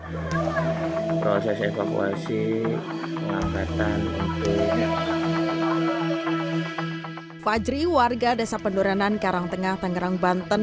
hai proses evakuasi langketan untuk fajri warga desa pendoranan karangtengah tangerang banten